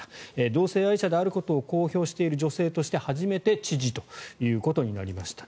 同性愛者であることを公表している女性として初めて知事ということになりました。